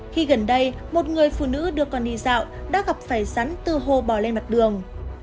khi gần đây một người phụ nữ được còn đi dạo đã gặp phải rắn từ hồ bò lên mặt đường